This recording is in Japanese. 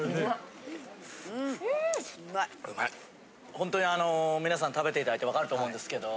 ほんとに皆さん食べて頂いてわかると思うんですけど。